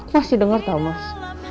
aku masih denger tau mas